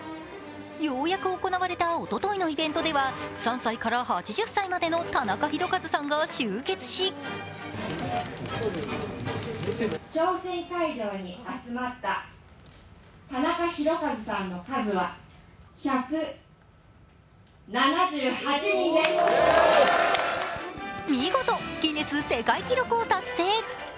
ようやく行われたおとといのイベントでは、３歳から８０歳までのタナカヒロカズさんが集結し見事、ギネス世界記録を達成。